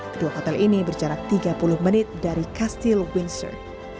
kedua hotel ini berjarak tiga puluh menit dari kastil windsor